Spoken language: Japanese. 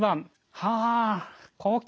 はあ！